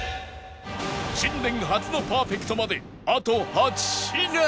新年初のパーフェクトまであと８品